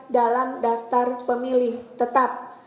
dalam daftar pemilih tetap